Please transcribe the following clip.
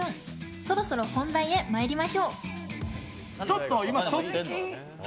そろそろ本題へ参りましょう。